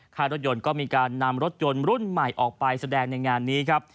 ค่ายรถยนต์ก็มีการนำรถยนต์รุ่นใหม่ออกไปแสดงในงานนี้ครับ